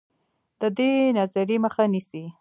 د دې نظریې مخه نیسي.